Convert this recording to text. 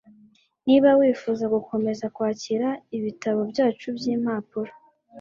Niba wifuza gukomeza kwakira ibitabo byacu byimpapuro